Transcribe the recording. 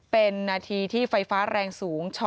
เป็นนาทีที่ไฟฟ้าแรงสูง